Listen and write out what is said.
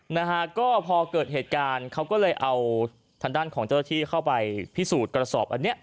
นะฮะก็พอเกิดเหตุการณ์เขาก็เลยเอาทางด้านของเจ้าหน้าที่เข้าไปพิสูจน์กระสอบอันเนี้ย